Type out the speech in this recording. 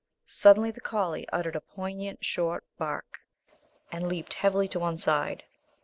Suddenly the collie uttered a poignant short bark and leaped heavily to one side.